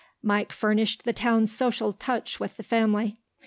Mike furnished the town's social touch with the family.